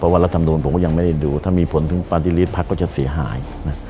เพราะวัฒนธรรมนวลผมก็ยังไม่ได้ดูถ้ามีผลถึงปาร์ตี้รีสพักก็จะเสียหายนะ